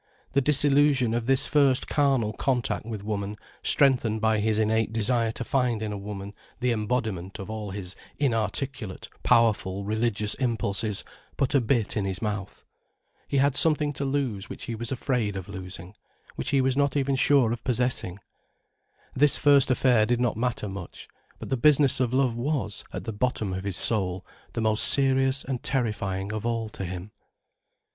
The disillusion of his first carnal contact with woman, strengthened by his innate desire to find in a woman the embodiment of all his inarticulate, powerful religious impulses, put a bit in his mouth. He had something to lose which he was afraid of losing, which he was not sure even of possessing. This first affair did not matter much: but the business of love was, at the bottom of his soul, the most serious and terrifying of all to him.